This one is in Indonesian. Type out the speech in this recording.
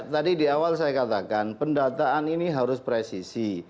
tadi di awal saya katakan pendataan ini harus presisi